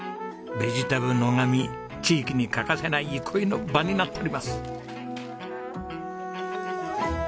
ベジタブ野上地域に欠かせない憩いの場になっております！